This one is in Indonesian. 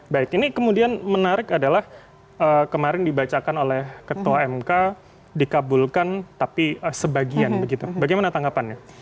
baik ini kemudian menarik adalah kemarin dibacakan oleh ketua mk dikabulkan tapi sebagian begitu bagaimana tanggapannya